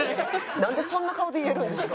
なんでそんな顔で言えるんですか？